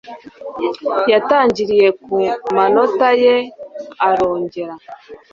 yatangiriye kumanota ye, arongera